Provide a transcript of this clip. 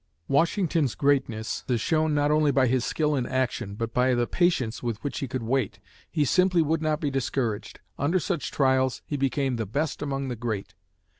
Washington's greatness is shown not only by his skill in action, but by the patience with which he could wait. He simply would not be discouraged. Under such trials, he became "the best among the great."